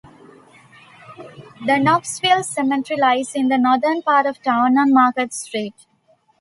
The Knoxville Cemetery lies in the northern part of town on Market Street.